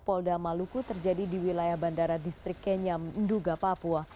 kontak tembak antara kksb dengan brimop